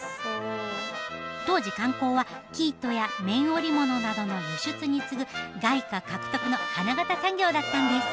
当時観光は生糸や綿織物などの輸出に次ぐ外貨獲得の花形産業だったんです。